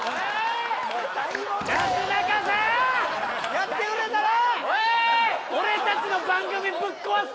やってくれたな！